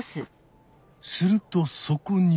するとそこに。